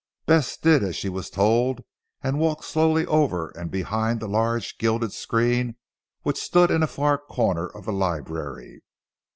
Bess did as she was told and walked slowly over and behind the large gilded screen which stood in a far corner of the library.